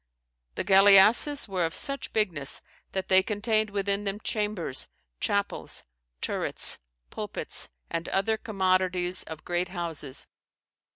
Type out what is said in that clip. "The galliasses were of such bignesse, that they contained within them chambers, chapels, turrets, pulpits, and other commodities of great houses.